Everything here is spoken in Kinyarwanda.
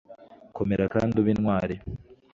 komera kandi ube intwari